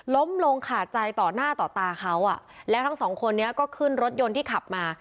ล้มลงขาดใจต่อหน้าต่อตาเขาอ่ะแล้วทั้งสองคนนี้ก็ขึ้นรถยนต์ที่ขับมา